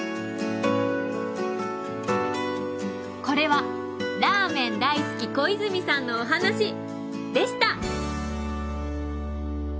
これはラーメン大好き小泉さんのお話でした